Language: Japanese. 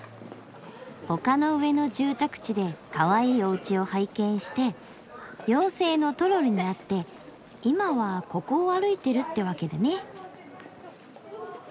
丘の上の住宅地でかわいいおうちを拝見して妖精のトロルに会って今はここを歩いてるってわけだね。